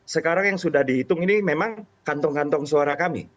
sekarang yang sudah dihitung ini memang kantong kantong suara kami